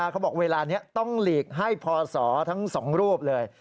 เขาบอกเวลานี้ต้องหลีกให้พศทั้ง๒รูปเลย